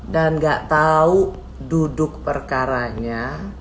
dan gak tau duduk perkaranya